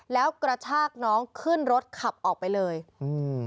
แล้วกระชากน้องขึ้นรถขับออกไปเลยอืม